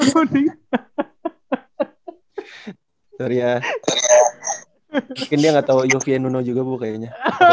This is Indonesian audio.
kaya dia nggak tahu yofie nuno juga bu kayaknya